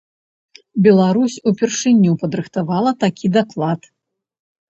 Беларусь упершыню падрыхтавала такі даклад.